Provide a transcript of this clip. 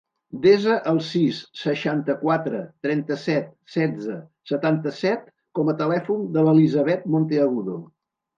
Desa el sis, seixanta-quatre, trenta-set, setze, setanta-set com a telèfon de l'Elisabeth Monteagudo.